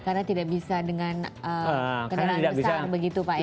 karena tidak bisa dengan kendaraan besar begitu pak